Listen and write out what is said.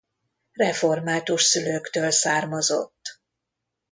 Református szülőktől származott.